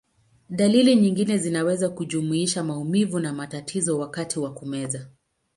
Dalili nyingine zinaweza kujumuisha maumivu na matatizo wakati wa kumeza.